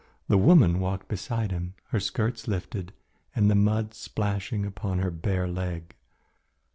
The woman walked beside him, her skirts lifted and the mud splashing upon her bare leg.